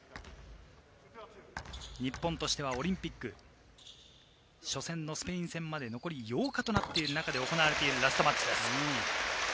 日本としてはオリンピック、初戦のスペイン戦まであと８日になっている中で行われているラストマッチ。